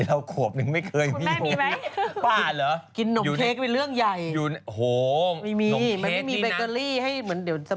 แล้วก็คนที่ชมก็อุ้มคนที่หน้าเหมือนชม